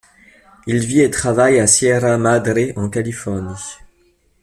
Il vit et travaille à Sierra Madre en Californie.